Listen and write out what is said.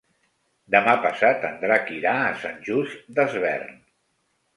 Demà passat en Drac irà a Sant Just Desvern.